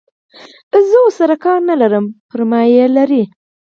زه ورسره کار نه لرم پر ما یې لري.